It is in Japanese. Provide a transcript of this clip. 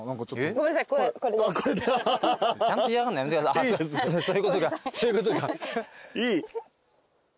ちゃんと嫌がるのやめてそういうことかそういうことか。